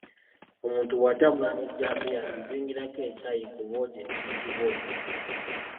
Omuntu bw’atambula n’ejjambiya agizingirirako ekyayi ku bwogi ekiyitibwa omusa.